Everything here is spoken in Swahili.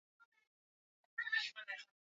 Ulaya Kabla ya mwaka elfumoja mianane themanini